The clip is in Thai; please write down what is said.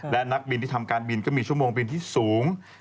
และนักบินที่ทำการบินก็มีชั่วโมงบินที่สูง